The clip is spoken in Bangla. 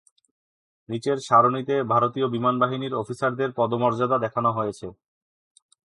নিচের সারণিতে ভারতীয় বিমান বাহিনীর অফিসারদের পদমর্যাদা দেখানো হয়েছে।